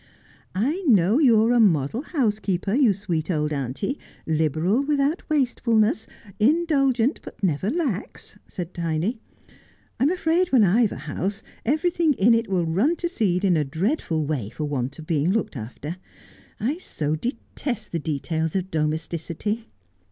I know you are a model housekeeper, you sweet old auntie, liberal without wastefulness, indulgent but never lax,' said Tiny. ' lira afraid when I've a house everything in it will run to seed in a dreadful way for want of being looked after. I so detest the details of domesticity.'